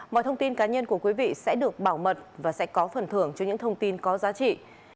mọi thông tin cá nhân của quý vị sẽ được bảo mật và sẽ có phần thưởng cho những thông tin có giá trị